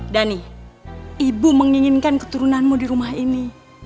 dhani ibu menginginkan keturunanmu di rumah ini